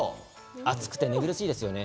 暑くて寝苦しいですよね。